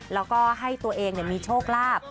แล้วก็ให้ตัวเองเนี่ยมีโชคลาบ